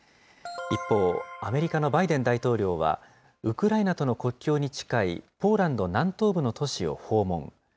一方、アメリカのバイデン大統領はウクライナとの国境に近いポーランド南東部の都市を訪問。